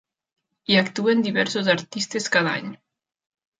Hi actuen diversos artistes cada any.